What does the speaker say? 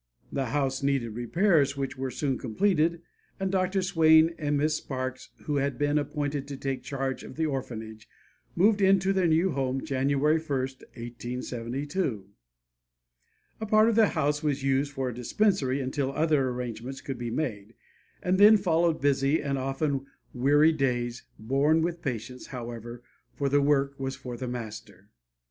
The house needed repairs which were soon completed and Dr. Swain and Miss Sparkes, who had been appointed to take charge of the orphanage, moved into their new home January 1, 1872. A part of the house was used for a dispensary until other arrangements could be made, and then followed busy and often weary days, borne with patience, however, for the work was for the Master.